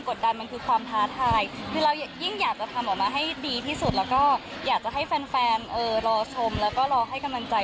ความกดดันคือความท้าทาย